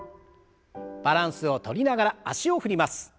バランスをとりながら脚を振ります。